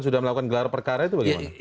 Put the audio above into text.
sudah melakukan gelar perkara itu bagaimana